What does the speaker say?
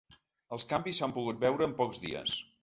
Els canvis s’han pogut veure en pocs dies.